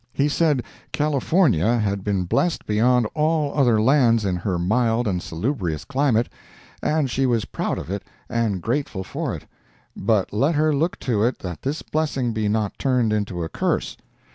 He said California had been blessed beyond all other lands in her mild and salubrious climate, and she was proud of it and grateful for it—but let her look to it that this blessing be not turned into a curse.